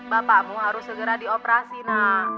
bapakmu harus segera dioperasi nak